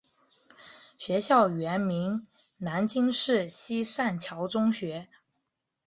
学校原名南京市西善桥中学。